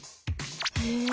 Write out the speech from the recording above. へえ。